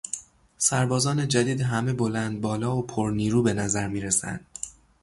سربازان جدید همه بلند بالا و پر نیرو به نظر میرسند.